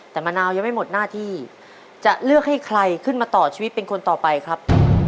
แต่มะนาวยังไม่หมดหน้าที่จะเลือกให้ใครขึ้นมาต่อชีวิตเป็นคนต่อไปครับ